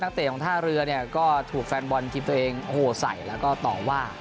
เตะของท่าเรือเนี่ยก็ถูกแฟนบอลทีมตัวเองโอ้โหใส่แล้วก็ต่อว่า